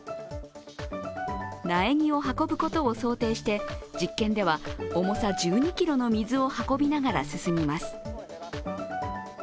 苗木を運ぶことを想定して実験では重さ１２ｋｇの水を運びながら進みます。